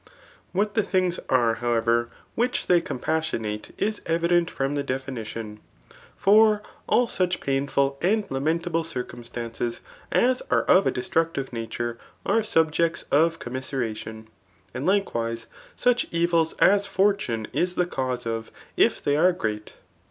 What the things are, however, which they compas* sionate is evident from the definition. For all such pain^ ful and lamentable circumstances as are of a destructive nature, are subjects of commiseration. And, likewise^ sudi evils as fortune is the cause of if they are gftat.